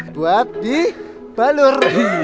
buat di balur